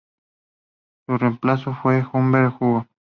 Su reemplazo fue Hubert Hugo.